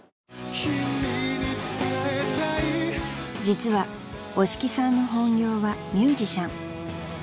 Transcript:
［実は押木さんの本業はミュージシャン］